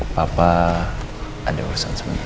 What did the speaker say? papa ada urusan sementara